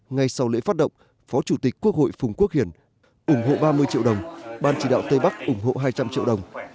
ngay sau lễ phát động phó chủ tịch quốc hội phùng quốc hiển ủng hộ ba mươi triệu đồng ban chỉ đạo tây bắc ủng hộ hai trăm linh triệu đồng